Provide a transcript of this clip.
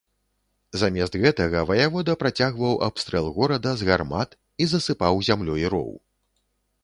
Замест гэтага ваявода працягваў абстрэл горада з гармат і засыпаў зямлёй роў.